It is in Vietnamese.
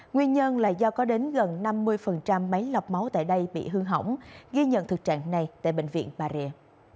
nguyên nhân là do có đến gần năm mươi máy lọc máu tại đây bị hư hỏng ghi nhận thực trạng này tại bệnh viện bà rịa